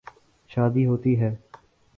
شادی ہوتی ہے۔